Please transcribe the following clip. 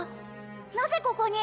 なぜここに？